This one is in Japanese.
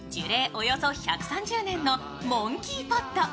およそ１３０年のモンキーポッド。